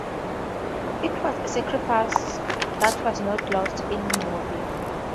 It was a sacrifice that was not lost on Niobe.